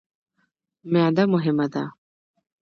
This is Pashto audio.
معده مهمه ده.